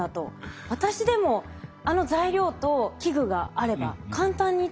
私でもあの材料と器具があれば簡単に作れそうな感じでしたね。